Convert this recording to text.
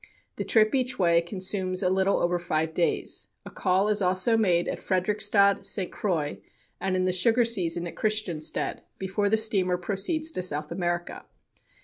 The trip each way consumes a little over five days. A call is also made at Frederiksted, St. Croix, (and in the sugar season at Christiansted), before the steamer proceeds to South America.